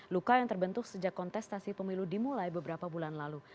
luka yang terbentuk sejak kontestasi pemilu dimulai beberapa bulan lalu